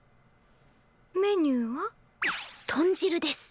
メニューは？豚汁です。